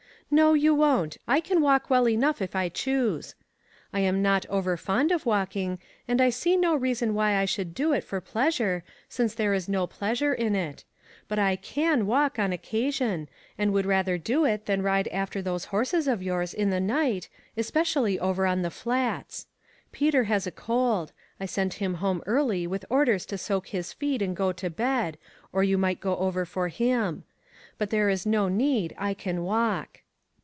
'*" No, you won't ; I can walk well enough if I choose. I'm not over fond of walking, 5O2 ONE COMMONPLACE DAY. and see no reason why I should do it for pleasure, since there is no pleasure in it ; but I can walk, on occasion, and would rather do it than ride after those horses of yours, in the night, especially over on the Flats. Peter has a cold ; I sent him home early with orders to soak his feet and go to bed, or you might go over for him. But there is no need, I can walk."